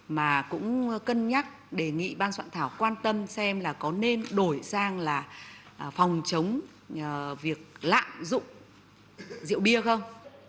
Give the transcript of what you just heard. mà cũng cân nhắc đề nghị ban soạn thảo quan tâm xem là có nên đổi sang là phòng chống việc lạm dụng rượu bia không